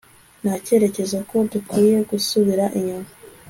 ndatekereza ko dukwiye gusubira inyuma